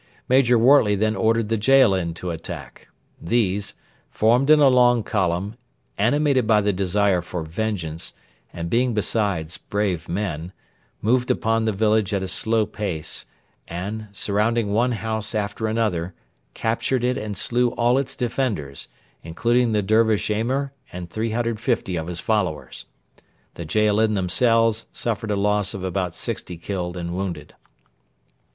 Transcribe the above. Major Wortley then ordered the Jaalin to attack. These formed in a long column, animated by the desire for vengeance, and being besides brave men moved upon the village at a slow pace, and, surrounding one house after another, captured it and slew all its defenders; including the Dervish Emir and 350 of his followers. The Jaalin themselves suffered a loss of about sixty killed and wounded.